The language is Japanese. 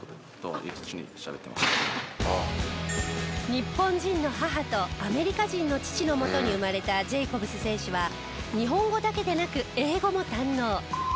日本人の母とアメリカ人の父の元に生まれたジェイコブス選手は日本語だけでなく英語も堪能。